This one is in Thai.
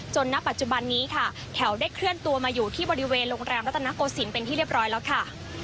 ณปัจจุบันนี้ค่ะแถวได้เคลื่อนตัวมาอยู่ที่บริเวณโรงแรมรัตนโกศิลปเป็นที่เรียบร้อยแล้วค่ะ